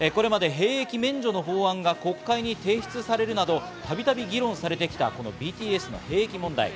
これまで兵役免除の法案が国会に提出されるなど、たびたび議論されてきたＢＴＳの兵役問題。